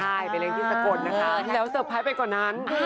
ใช่ไปเลี้ยงที่สะกดแล้วสเตอร์ไพรส์มันก่อนนั้น